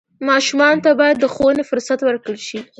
ماشومانو ته باید د ښوونې فرصت ورکړل شي.